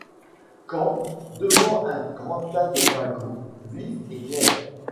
Quand, devant un grand tas de fagots, vif et clair